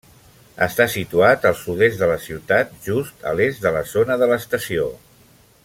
Està situat al sud-est de la ciutat, just a l'est de la zona de l'estació.